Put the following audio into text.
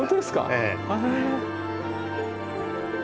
ええ。